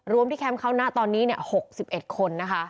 ร้วมที่แค้มเข้าน่ะตอนนี้๖๑คน